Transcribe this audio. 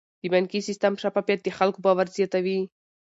د بانکي سیستم شفافیت د خلکو باور زیاتوي.